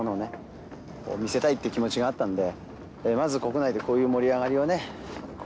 見せたいって気持ちがあったんでまず国内でこういう盛り上がりをね